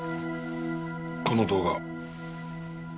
この動画。